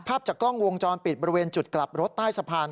ภาพจากกล้องวงจรปิดบริเวณจุดกลับรถใต้สะพาน